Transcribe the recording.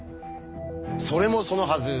それもそのはず